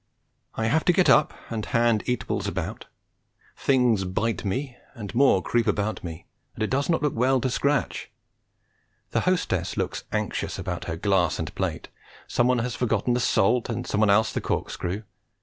I have to get up and hand eatables about; things bite me, and more creep about me, and it does not look well to scratch. The hostess looks anxious about her glass and plate; someone has forgotten the salt, and some one else the corkscrew.